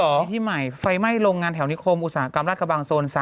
ที่ใหม่ไฟไหม้โรงงานแถวนิคมอุตสาหกรรมราชกระบังโซน๓